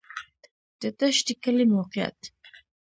د دشټي کلی موقعیت